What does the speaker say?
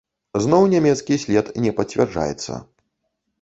Зноў нямецкі след не пацвярджаецца.